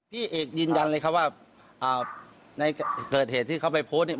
พี่เอกยืนยันเลยครับว่าในเกิดเหตุที่เขาไปโพสต์เนี่ย